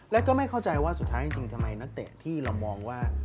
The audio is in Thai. แล้วก็ไม่เข้าใจว่าสุดท้ายจริงทำไมนักเตะที่เรามองว่า